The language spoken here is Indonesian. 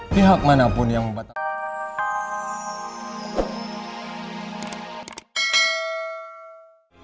pihak manapun yang membatalkan